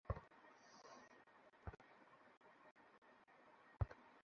পরিকল্পনা করলে কী হয়!